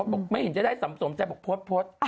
โอ้บอกไม่เห็นจะได้สมสมแต่บอกพลก